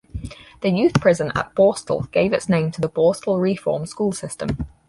The youth prison at Borstal gave its name to the Borstal reform school system.